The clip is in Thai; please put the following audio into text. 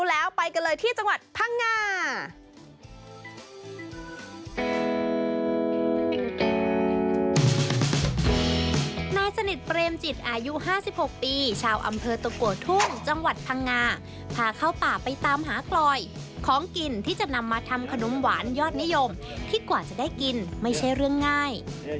สนิทเปรมจิตอายุ๕๖ปีชาวอำเภอตะกัวทุ่งจังหวัดพังงาพาเข้าป่าไปตามหากลอยของกินที่จะนำมาทำขนมหวานยอดนิยมที่กว่าจะได้กินไม่ใช่เรื่องง่าย